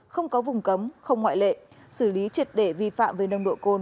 không có vùng cấm không ngoại lệ xử lý triệt để vi phạm về nồng độ cồn